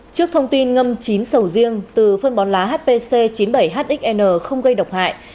trước thông tin ngâm chín sầu riêng từ phân bón lá hpc chín mươi bảy hxn không gây độc hại